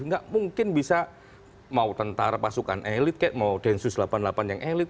nggak mungkin bisa mau tentara pasukan elit kek mau densus delapan puluh delapan yang elit